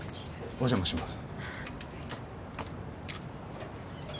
お邪魔します